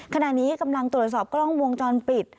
ขณะนี้กำลังตรวจสอบกล้องวงจรปิด